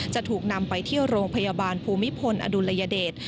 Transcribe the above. จะถูกนำไปที่โรงพยาบาลภูมิพลอดุลยเดช